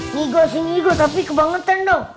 nigo sih nigo tapi kebangetan dong